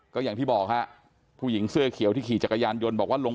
ก็อย่างที่บอกฮะผู้หญิงเสื้อเขียวที่ขี่จักรยานยนต์บอกว่าลง